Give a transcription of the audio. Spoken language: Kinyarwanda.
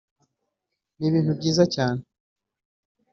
ni ibintu byiza cyane